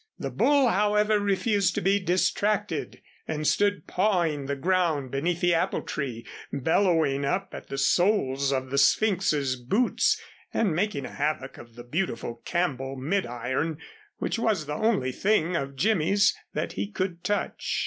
The bull however, refused to be distracted, and stood pawing the ground beneath the apple tree, bellowing up at the soles of the Sphynx's boots and making havoc of the beautiful Campbell mid iron, which was the only thing of Jimmy's that he could touch.